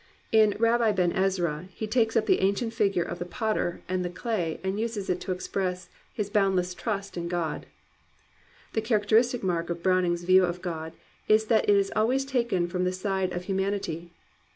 " In Rubbi Ben Ezra he takes up the ancient figure of the potter and the clay and uses it to express his boundless trust in God. The characteristic mark of Browning's view of God is that it is always taken from the side of hu manity.